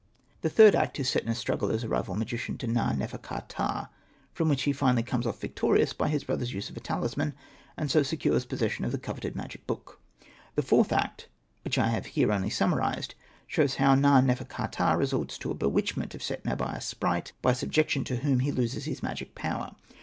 The third act is Setna's struggle as a rival magician to Na.nefer.ka.ptah, from which he finally comes off victorious by his brother's use of a talisman, and so secures possession of the coveted magic book. The fourth act — which I have here only sum marised — shows how Na.nefer.ka.ptah resorts to a bewitchment of Setna by a sprite, by subjection to whom he loses his magic power.